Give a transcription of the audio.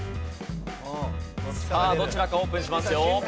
さあどちらかオープンしますよ。